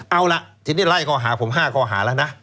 เอาล่ะทีนี้ไล่ข้อหาผม๕ข้อหาแล้วนะ